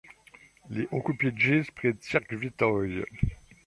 Li okupiĝis pri cirkvitoj.